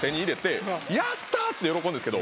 「やった！」っつって。